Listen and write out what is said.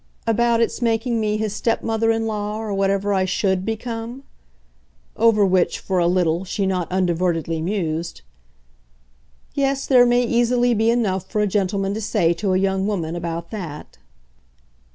"About its making me his stepmother in law or whatever I SHOULD become?" Over which, for a little, she not undivertedly mused. "Yes, there may easily be enough for a gentleman to say to a young woman about that."